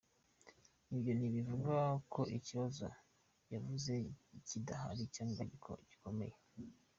Ibyo ntibivuga ko ikibazo yavuze kidahari cyangwa kidakomeye.